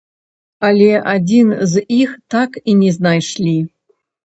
Але адзін з іх так і не знайшлі.